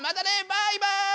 バイバイ！